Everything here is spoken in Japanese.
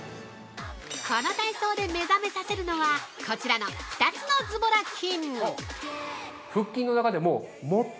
◆この体操で目覚めさせるのはこちらの２つのズボラ筋！